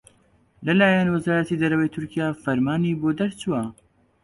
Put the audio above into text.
لەلایەن وەزارەتی دەرەوەی تورکیاوە فرمانی بۆ دەرچووبوو